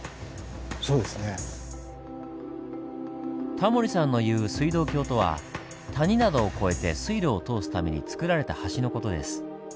タモリさんの言う「水道橋」とは谷などを越えて水路を通すためにつくられた橋の事です。